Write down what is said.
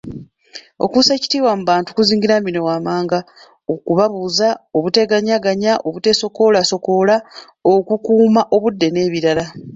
Okussa ekitiibwa mu bantu kuzingiramu bino; okubabuuza, obuteegaayagaaya, obuteesokoolasokoola, okukuuma obudde n'ebirala.